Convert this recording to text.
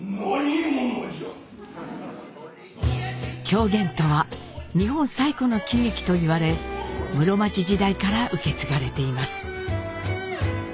狂言とは日本最古の喜劇と言われ室町時代から受け継がれています。